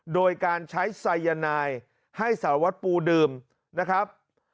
โดยการใช้ไซยานายให้สารวัตรปูดื่มนะครับ